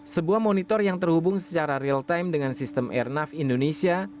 sebuah monitor yang terhubung secara real time dengan sistem airnav indonesia